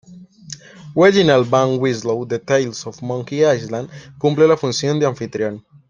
Reginald Van Winslow de "Tales of Monkey Island" cumple la función de anfitrión.